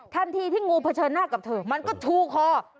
ทันทีที่งูเผชิญหน้ากับเธอมันก็ชูคอ